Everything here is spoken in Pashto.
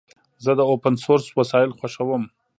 زه د اوپن سورس وسایل خوښوم.